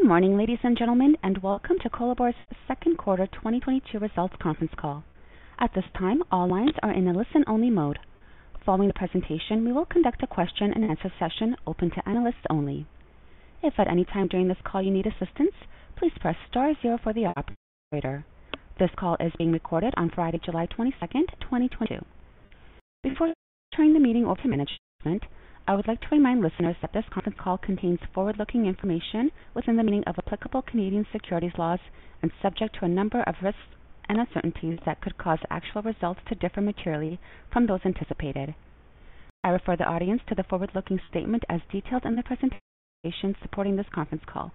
Good morning, ladies and gentlemen, and welcome to Colabor's second quarter 2022 results conference call. At this time, all lines are in a listen-only mode. Following the presentation, we will conduct a question-and-answer session open to analysts only. If at any time during this call you need assistance, please press star zero for the operator. This call is being recorded on Friday, July 22, 2022. Before turning the meeting over to management, I would like to remind listeners that this conference call contains forward-looking information within the meaning of applicable Canadian securities laws and subject to a number of risks and uncertainties that could cause actual results to differ materially from those anticipated. I refer the audience to the forward-looking statement as detailed in the presentation supporting this conference call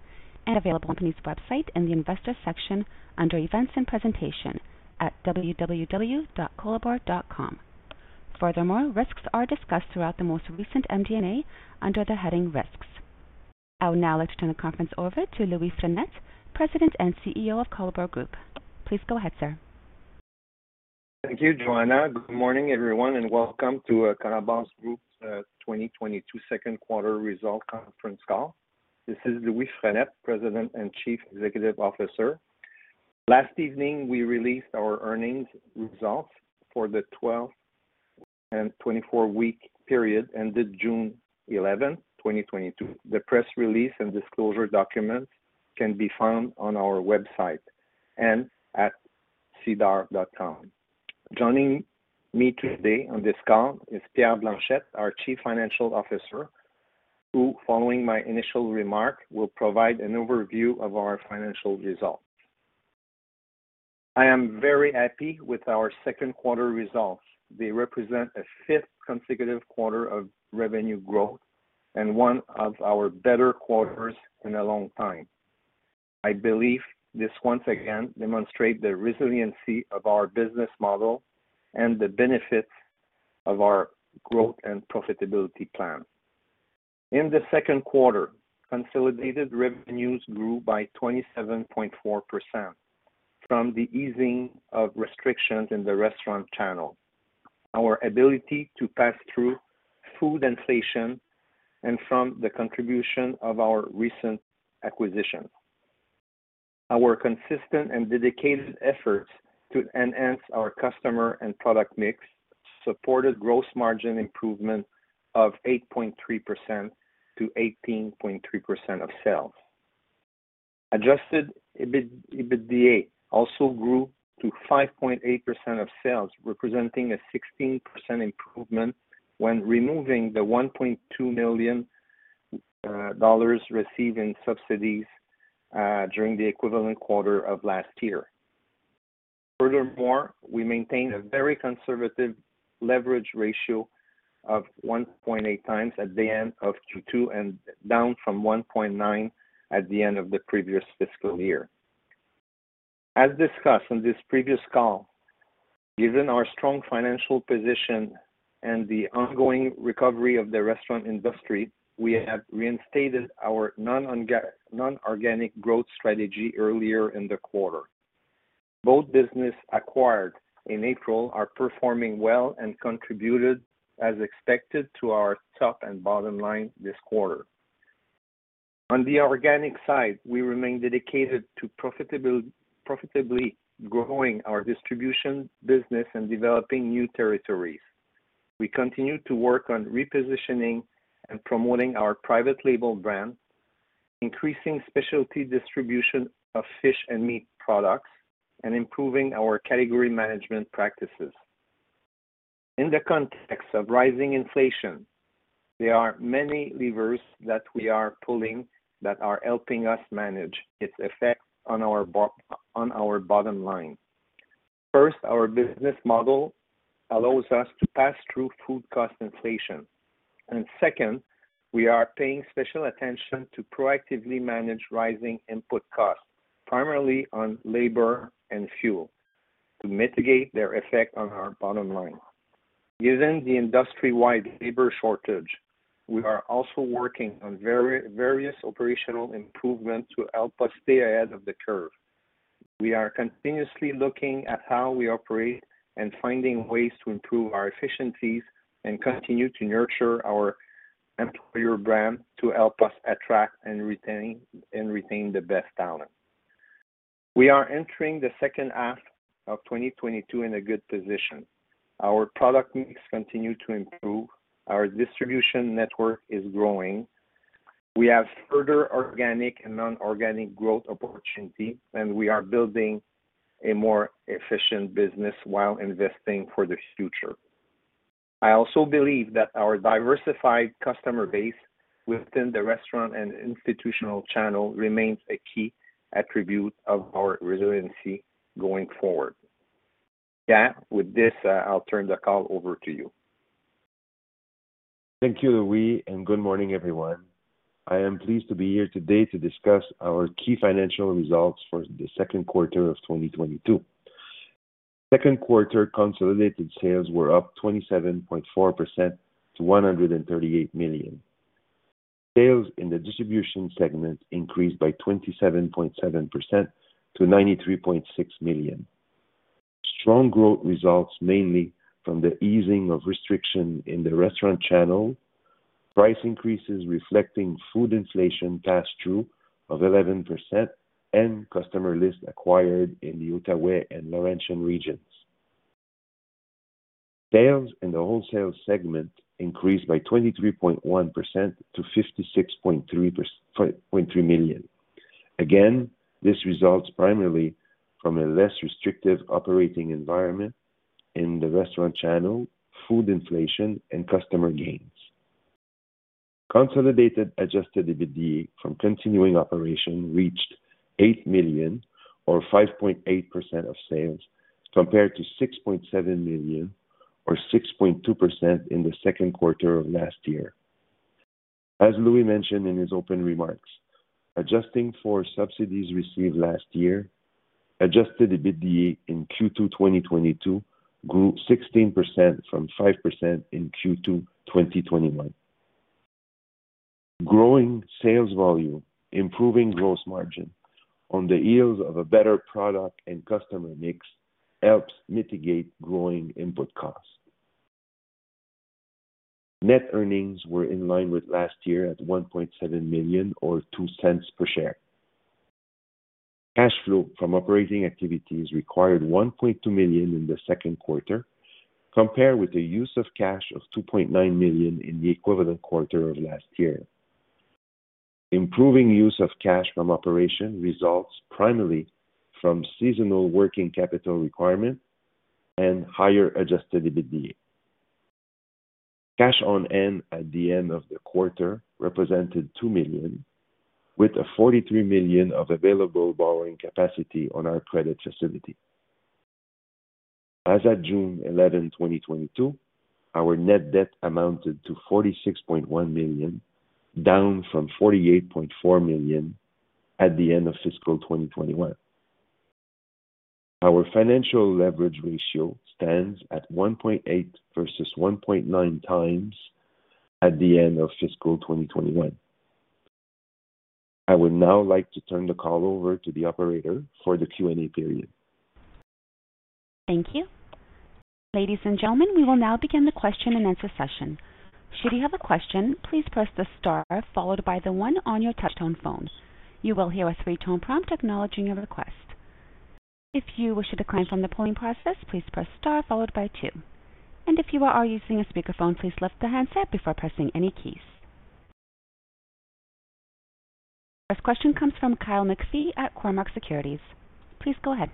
and available on the company's website in the Investors section under Events and Presentation at www.colabor.com. Furthermore, risks are discussed throughout the most recent MD&A under the heading Risks. I would now like to turn the conference over to Louis Frenette, President and CEO of Colabor Group. Please go ahead sir. Thank you, Joanna. Good morning everyone and welcome to Colabor Group's 2022 second quarter results conference call. This is Louis Frenette, President and Chief Executive Officer. Last evening, we released our earnings results for the 12- and 24-week period ended June 11, 2022. The press release and disclosure documents can be found on our website and at SEDAR.com. Joining me today on this call is Pierre Blanchette, our Chief Financial Officer, who following my initial remark, will provide an overview of our financial results. I am very happy with our second quarter results. They represent a fifth consecutive quarter of revenue growth and one of our better quarters in a long time. I believe this once again demonstrate the resiliency of our business model and the benefits of our growth and profitability plan. In the second quarter, consolidated revenues grew by 27.4% from the easing of restrictions in the restaurant channel, our ability to pass through food inflation, and from the contribution of our recent acquisition. Our consistent and dedicated efforts to enhance our customer and product mix supported gross margin improvement of 8.3% to 18.3% of sales. Adjusted EBITDA also grew to 5.8% of sales, representing a 16% improvement when removing the 1.2 million dollars received in subsidies during the equivalent quarter of last year. Furthermore, we maintained a very conservative leverage ratio of 1.8x at the end of Q2 and down from 1.9 at the end of the previous fiscal year. As discussed on this previous call, given our strong financial position and the ongoing recovery of the restaurant industry, we have reinstated our non-organic growth strategy earlier in the quarter. Both business acquired in April are performing well and contributed as expected to our top and bottom line this quarter. On the organic side, we remain dedicated to profitably growing our distribution business and developing new territories. We continue to work on repositioning and promoting our private label brand, increasing specialty distribution of fish and meat products, and improving our category management practices. In the context of rising inflation, there are many levers that we are pulling that are helping us manage its effects on our bottom line. First, our business model allows us to pass through food cost inflation. Second, we are paying special attention to proactively manage rising input costs primarily on labor and fuel, to mitigate their effect on our bottom line. Given the industry-wide labor shortage, we are also working on various operational improvements to help us stay ahead of the curve. We are continuously looking at how we operate and finding ways to improve our efficiencies and continue to nurture our employer brand to help us attract and retain the best talent. We are entering the second half of 2022 in a good position. Our product mix continue to improve. Our distribution network is growing. We have further organic and non-organic growth opportunity, and we are building a more efficient business while investing for the future. I also believe that our diversified customer base within the restaurant and institutional channel remains a key attribute of our resiliency going forward. Pierre, with this, I'll turn the call over to you. Thank you, Louis, and good morning everyone. I am pleased to be here today to discuss our key financial results for the second quarter of 2022. Second quarter consolidated sales were up 27.4% to 138 million. Sales in the distribution segment increased by 27.7% to 93.6 million. Strong growth results mainly from the easing of restriction in the restaurant channel, price increases reflecting food inflation pass-through of 11% and customer lists acquired in the Outaouais and Laurentians regions. Sales in the wholesale segment increased by 23.1% to 56.3 million. Again, this results primarily from a less restrictive operating environment in the restaurant channel, food inflation and customer gains. Consolidated adjusted EBITDA from continuing operations reached 8 million or 5.8% of sales, compared to 6.7 million or 6.2% in the second quarter of last year. As Louis mentioned in his opening remarks, adjusting for subsidies received last year, adjusted EBITDA in Q2 2022 grew 16% from 5% in Q2 2021. Growing sales volume, improving gross margin on the heels of a better product and customer mix helps mitigate growing input costs. Net earnings were in line with last year at 1.7 million or 0.02 per share. Cash flow from operating activities required 1.2 million in the second quarter, compared with the use of cash of 2.9 million in the equivalent quarter of last year. Improving use of cash from operations results primarily from seasonal working capital requirement and higher adjusted EBITDA. Cash on hand at the end of the quarter represented 2 million, with 43 million of available borrowing capacity on our credit facility. As at June 11, 2022, our net debt amounted to 46.1 million, down from 48.4 million at the end of fiscal 2021. Our financial leverage ratio stands at 1.8x versus 1.9x at the end of fiscal 2021. I would now like to turn the call over to the operator for the Q&A period. Thank you. Ladies and gentlemen, we will now begin the question-and-answer session. Should you have a question, please press the star followed by the one on your touch tone phones. You will hear a three-tone prompt acknowledging your request. If you wish to decline from the polling process, please press star followed by two. If you are using a speakerphone, please lift the handset before pressing any keys. First question comes from Kyle McPhee at Cormark Securities. Please go ahead.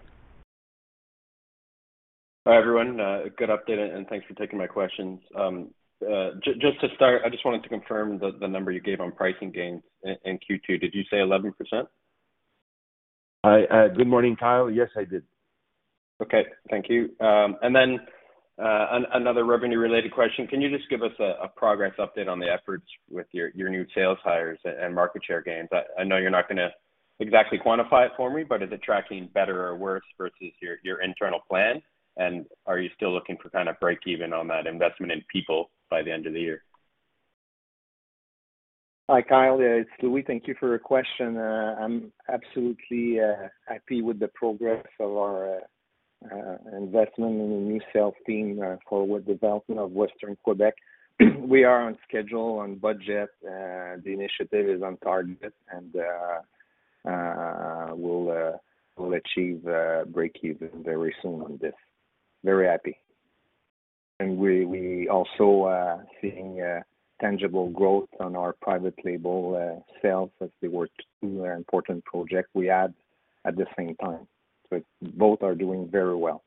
Hi, everyone. Good update, and thanks for taking my questions. Just to start, I just wanted to confirm the number you gave on pricing gains in Q2. Did you say 11%? Hi. Good morning, Kyle. Yes, I did. Okay, thank you. Another revenue-related question. Can you just give us a progress update on the efforts with your new sales hires and market share gains? I know you're not gonna exactly quantify it for me, but is it tracking better or worse versus your internal plan? Are you still looking for kind of break even on that investment in people by the end of the year? Hi, Kyle. It's Louis. Thank you for your question. I'm absolutely happy with the progress of our investment in the new sales team forward development of Western Quebec. We are on schedule, on budget. The initiative is on target, and we'll achieve breakeven very soon on this. Very happy. We also seeing tangible growth on our private label sales as there were two important projects we had at the same time. Both are doing very well.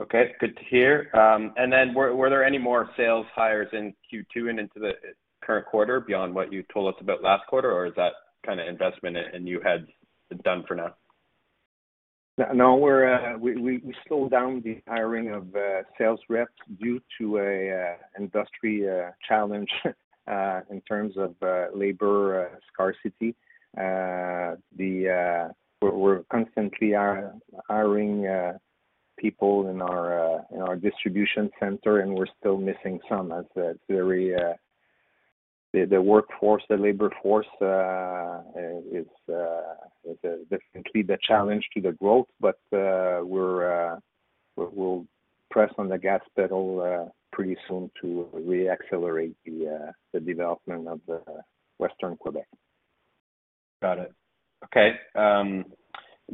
Okay, good to hear. Were there any more sales hires in Q2 and into the current quarter beyond what you told us about last quarter, or is that kind of investment in you had done for now? No, we slowed down the hiring of sales reps due to an industry challenge in terms of labor scarcity. We're constantly hiring people in our distribution center, and we're still missing some. The workforce, the labor force is definitely the challenge to the growth, but we'll press on the gas pedal pretty soon to re-accelerate the development of the Western Quebec. Got it. Okay.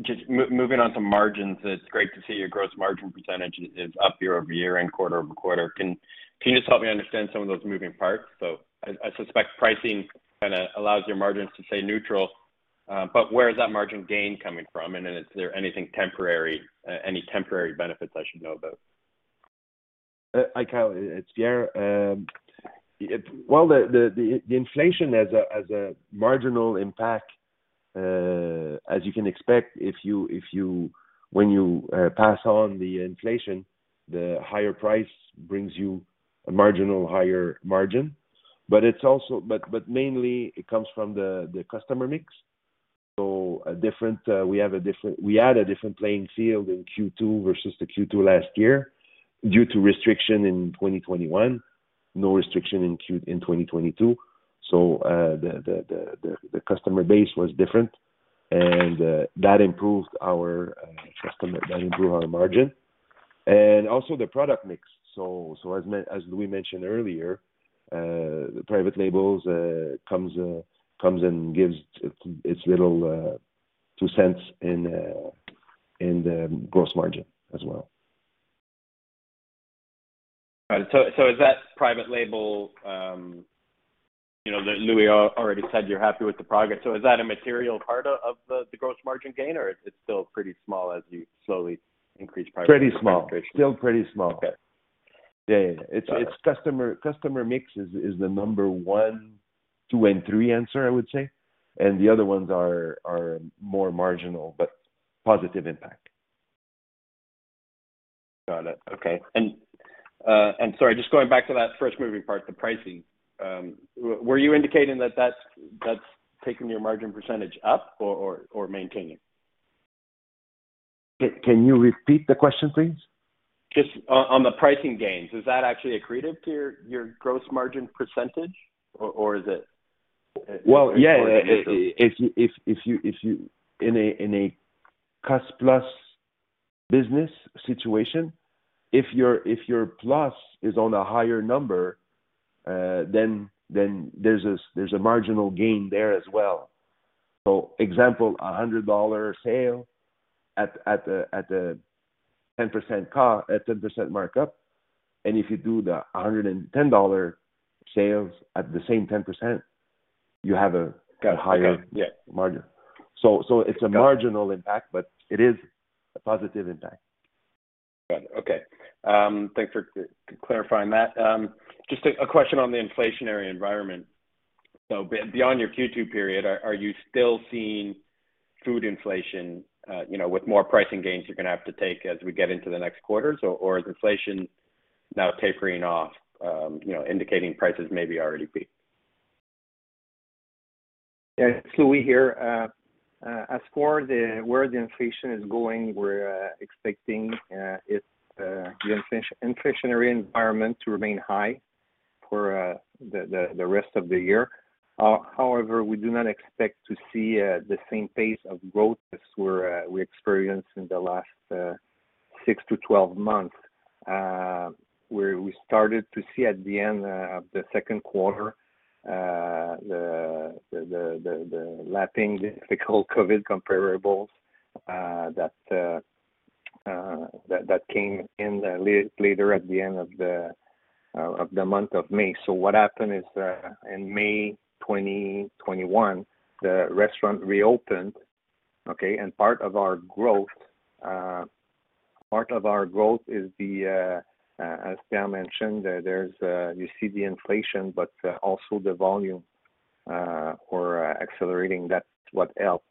Just moving on to margins, it's great to see your gross margin percentage is up year-over-year and quarter-over-quarter. Can you just help me understand some of those moving parts? I suspect pricing kinda allows your margins to stay neutral, but where is that margin gain coming from? Then is there anything temporary, any temporary benefits I should know about? Hi Kyle, it's Pierre. Well, the inflation has a marginal impact. As you can expect, when you pass on the inflation, the higher price brings you a marginal higher margin. It's also mainly from the customer mix. We had a different playing field in Q2 versus the Q2 last year due to restriction in 2021. No restriction in Q2 in 2022. The customer base was different, and that improved our margin. Also the product mix. As Louis mentioned earlier, the private labels comes and gives its little two cents in the gross margin as well. Right. Is that private label, you know, that Louis already said you're happy with the progress? Is that a material part of the gross margin gain, or it's still pretty small as you slowly increase private label integration? Pretty small. Still pretty small. Okay. Yeah. It's customer mix is the number one, two, and three answer, I would say. The other ones are more marginal, but positive impact. Got it. Okay. Sorry, just going back to that first moving part, the pricing. Were you indicating that that's taken your margin percentage up or maintaining? Can you repeat the question, please? Just on the pricing gains, is that actually accretive to your gross margin percentage, or is it- Well, yeah. If you in a cost-plus business situation, if your plus is on a higher number, then there's a marginal gain there as well. Example, a CAD 100 sale at a 10% markup, and if you do the 110 dollar sales at the same 10%, you have a higher. Got it. Yeah. Margin. It's a marginal impact, but it is a positive impact. Got it. Okay. Thanks for clarifying that. Just a question on the inflationary environment. Beyond your Q2 period, are you still seeing food inflation, you know, with more pricing gains you're gonna have to take as we get into the next quarters, or is inflation now tapering off, you know, indicating prices may be already peaked? Yeah. It's Louis here. As for where the inflation is going, we're expecting the inflationary environment to remain high for the rest of the year. However, we do not expect to see the same pace of growth as we experienced in the last six to 12 months. We started to see at the end of the second quarter the lapping difficult COVID comparables that came in later at the end of the month of May. What happened is in May 2021, the restaurant reopened, okay? Part of our growth is the, as Pierre mentioned, there's you see the inflation, but also the volumes are accelerating, that's what helped.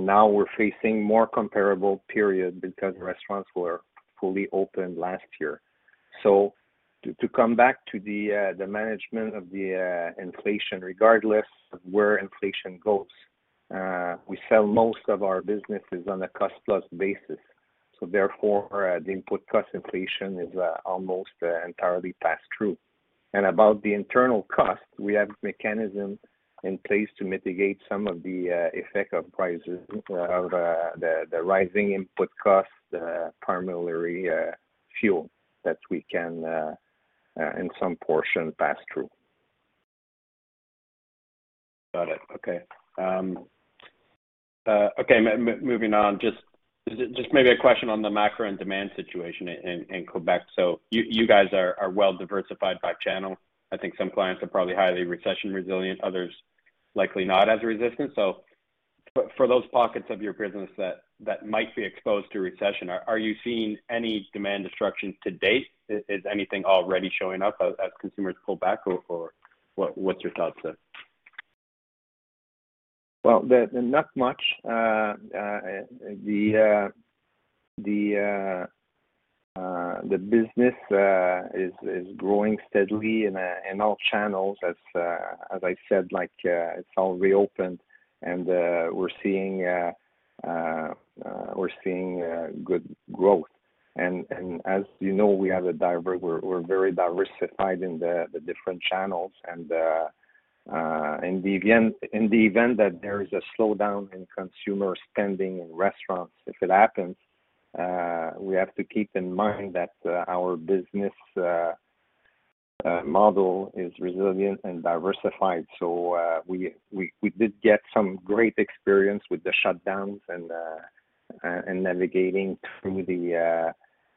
Now we're facing more comparable period because restaurants were fully open last year. To come back to the management of the inflation, regardless of where inflation goes, we sell most of our businesses on a cost-plus basis, so therefore the input cost inflation is almost entirely passed through. About the internal cost, we have mechanism in place to mitigate some of the effect of prices of the rising input costs, primarily fuel, that we can in some portion pass through. Got it. Okay. Moving on. Just maybe a question on the macro and demand situation in Quebec. You guys are well diversified by channel. I think some clients are probably highly recession resilient, others likely not as resistant. For those pockets of your business that might be exposed to recession, are you seeing any demand destruction to date? Is anything already showing up as consumers pull back or what's your thoughts there? Well, not much. The business is growing steadily in all channels. As I said, like, it's all reopened and we're seeing good growth. As you know, we're very diversified in the different channels and in the event that there is a slowdown in consumer spending in restaurants, if it happens, we have to keep in mind that our business model is resilient and diversified. We did get some great experience with the shutdowns and navigating through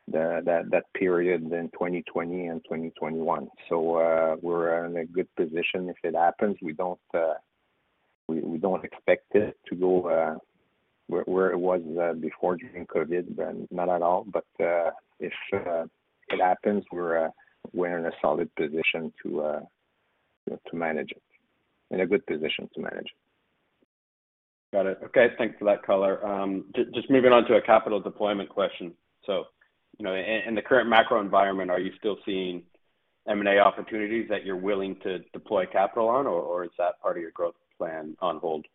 that period in 2020 and 2021. We're in a good position if it happens. We don't expect it to go where it was before during COVID, not at all. If it happens, we're in a solid position to manage it, in a good position to manage it. Got it. Okay. Thanks for that color. Just moving on to a capital deployment question. You know, in the current macro environment, are you still seeing M&A opportunities that you're willing to deploy capital on or is that part of your growth plan on hold?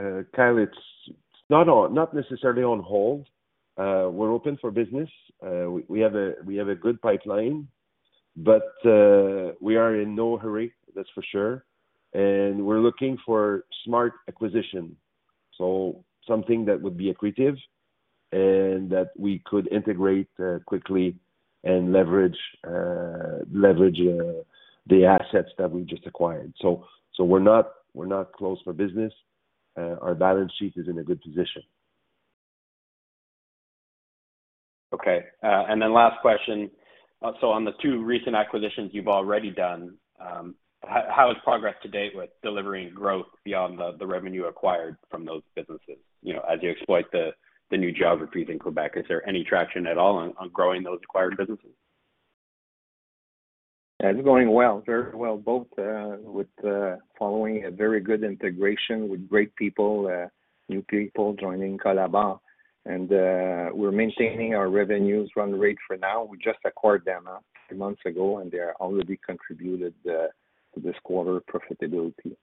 Kyle, it's not necessarily on hold. We're open for business. We have a good pipeline, but we are in no hurry, that's for sure. We're looking for smart acquisition. Something that would be accretive and that we could integrate quickly and leverage the assets that we just acquired. We're not closed for business. Our balance sheet is in a good position. Okay. Last question. On the two recent acquisitions you've already done, how is progress to date with delivering growth beyond the revenue acquired from those businesses? You know, as you exploit the new geographies in Quebec, is there any traction at all on growing those acquired businesses? It's going well, very well, both with following a very good integration with great people, new people joining Colabor. We're maintaining our revenues run rate for now. We just acquired them a few months ago, and they're already contributed to this quarter profitability.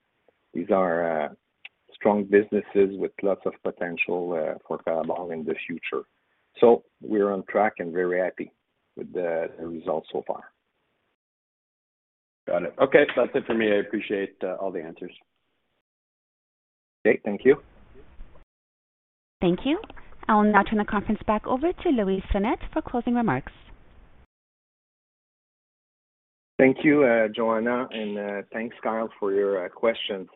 These are strong businesses with lots of potential for Colabor in the future. We're on track and very happy with the results so far. Got it. Okay. That's it for me. I appreciate all the answers. Okay. Thank you. Thank you. I will now turn the conference back over to Louis Frenette for closing remarks. Thank you, Joanna, and thanks, Kyle, for your questions.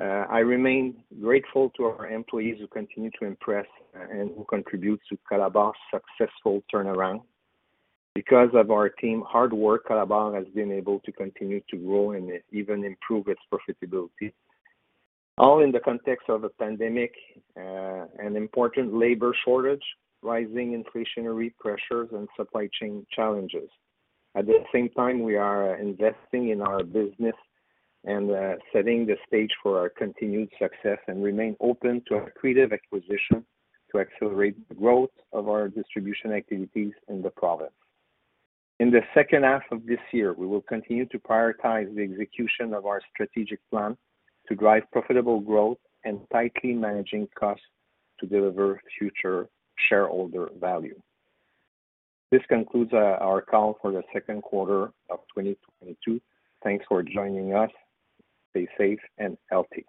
I remain grateful to our employees who continue to impress, and who contribute to Colabor's successful turnaround. Because of our team's hard work, Colabor has been able to continue to grow and even improve its profitability, all in the context of a pandemic, an important labor shortage, rising inflationary pressures, and supply chain challenges. At the same time, we are investing in our business and, setting the stage for our continued success and remain open to accretive acquisition to accelerate the growth of our distribution activities in the province. In the second half of this year, we will continue to prioritize the execution of our strategic plan to drive profitable growth and tightly managing costs to deliver future shareholder value. This concludes, our call for the second quarter of 2022. Thanks for joining us. Stay safe and healthy.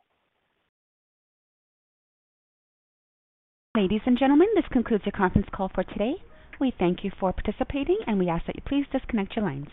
Ladies and gentlemen, this concludes your conference call for today. We thank you for participating, and we ask that you please disconnect your lines.